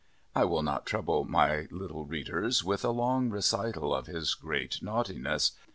I will not trouble my little readers with a long recital of his great naughtiness.